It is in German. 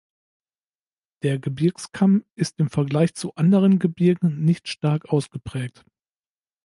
Der Gebirgskamm ist im Vergleich zu anderen Gebirgen nicht stark ausgeprägt.